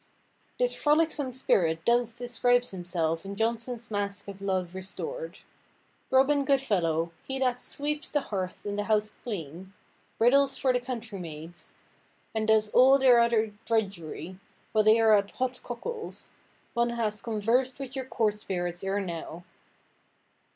This frolicsome spirit thus describes himself in Jonson's masque of Love Restored: "Robin Goodfellow, he that sweeps the hearth and the house clean, riddles for the country maids, and does all their other drudgery, while they are at hot–cockles; one that has conversed with your court spirits ere now."